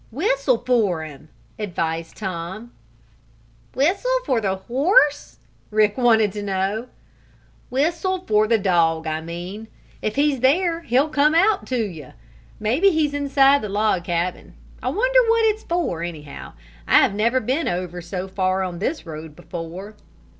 "Whistle for him!" advised Tom. "Whistle for the horse?" Rick wanted to know. "Whistle for the dog, I mean. If he's there he'll come out to you. Maybe he's inside the log cabin. I wonder what it's for, anyhow? I have never been over so far on this road before."